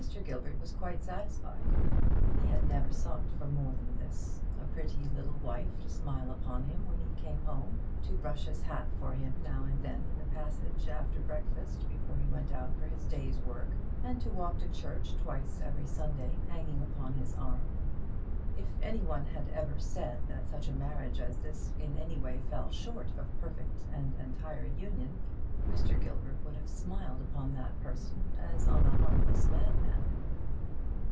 Gilbert was quite satisfied. He had never sought for more than this: a pretty little wife to smile upon him when he came home, to brush his hat for him now and then in the passage after breakfast, before he went out for his day's work, and to walk to church twice every Sunday hanging upon his arm. If any one had ever said that such a marriage as this in any way fell short of perfect and entire union, Mr. Gilbert would have smiled upon that person as on a harmless madman.